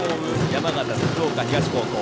山形・鶴岡東高校。